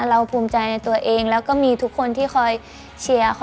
ภูมิใจในตัวเองแล้วก็มีทุกคนที่คอยเชียร์ค่ะ